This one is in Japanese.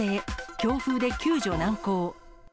強風で救助難航。